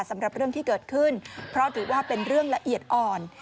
สำหรับเรื่องที่เกิดขึ้นเพราะถือว่าเป็นเรื่องละเอียดอ่อน